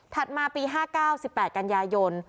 ถัดมาปี๕๙๑๘กรณยาโยน